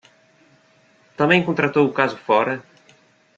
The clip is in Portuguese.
Também contratou o caso fora